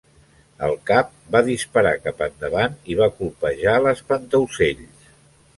El cap va disparar cap endavant i va colpejar l'espantaocells.